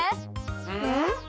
うん？